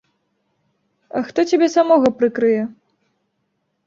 А хто цябе самога прыкрые?